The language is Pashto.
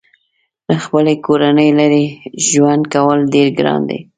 له خپلې کورنۍ لرې ژوند کول ډېر ګران دي.